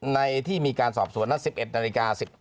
ในที่มีการสอบส่วนนั้นสิบเอ็ดนาฬิกาครับ